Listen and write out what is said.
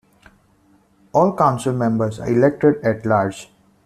All council members are elected at-large.